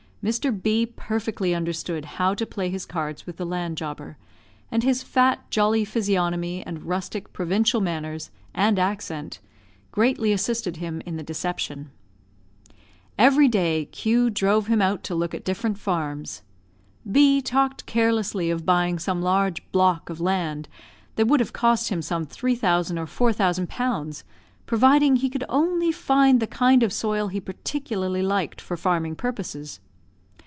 Mr. B perfectly understood how to play his cards with the land jobber; and his fat, jolly physiognomy, and rustic, provincial manners and accent, greatly assisted him in the deception. Every day Q drove him out to look at different farms. B talked carelessly of buying some large "block" of land, that would have cost him some 3000 or 4000 pounds, providing he could only find the kind of soil he particularly liked for farming purposes.